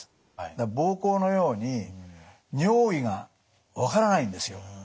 膀胱のように尿意が分からないんですよ。